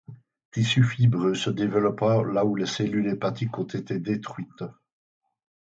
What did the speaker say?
Tissu fibreux se développant là où les cellules hépatiques ont été détruites.